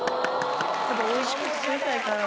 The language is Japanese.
おいしく作りたいから。